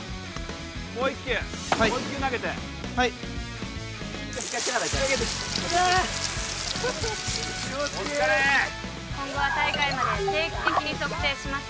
もう１球もう１球投げてはいはい・かけて・お疲れ今後は大会まで定期的に測定します